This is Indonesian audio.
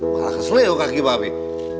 marah keselihok kaki pak apik